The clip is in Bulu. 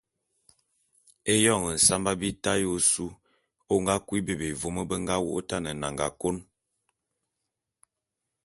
Éyoñ nsamba bita ya ôsu ô nga kui bebé vôm be nga wô’ôtan nnanga kôn.